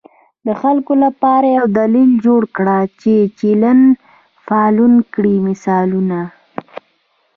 د خلکو لپاره یو دلیل جوړ کړه چې چینل فالو کړي، مثالونه: